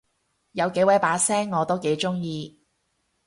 有幾位把聲我都幾中意